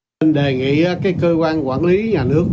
mình đề nghị cơ quan quản lý nhà nước